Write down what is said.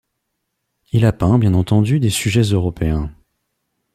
Il a peint bien entendu des sujets européens.